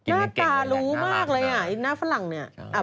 น่าฝรั่งหน้ารู้มากเลยครับ